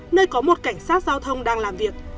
nơi có một cảnh sát giao thông đang làm việc